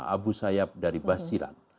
abu sayyab dari basiran